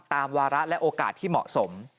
วาระและโอกาสที่เหมาะสม